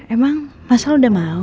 emang masa lu udah mau